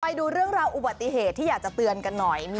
ไปดูเรื่องราวอุบัติเหตุที่อยากจะเตือนกันหน่อย